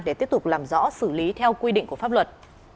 để tiếp tục làm rõ xử lý theo quy định của pháp luật